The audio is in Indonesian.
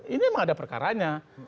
ini memang ada perkaranya